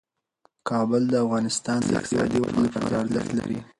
کابل د افغانستان د اقتصادي ودې لپاره ارزښت لري.